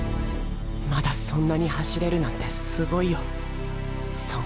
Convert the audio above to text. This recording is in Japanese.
まだそんなに走れるなんてすごいよ尊敬する。